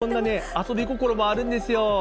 こんなね、遊び心もあるんですよ。